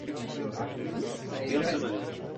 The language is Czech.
V těchto bojích spolu s bratrem zahynuli.